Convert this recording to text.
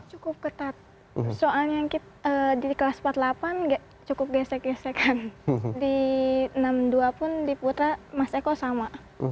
cukup ketat soalnya di kelas empat puluh delapan cukup gesek gesekan di enam puluh dua pun di putra mas eko sama